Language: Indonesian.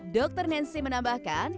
dokter nancy menambahkan